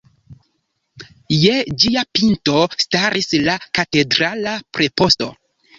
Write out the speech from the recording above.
Je ĝia pinto staris la katedrala preposto.